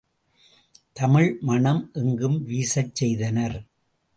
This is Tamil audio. தமிழ் மணம் எங்கும் வீசச் செய்தனர்.